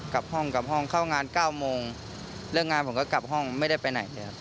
กลับห้องกลับห้องเข้างาน๙โมงเลิกงานผมก็กลับห้องไม่ได้ไปไหนเลยครับ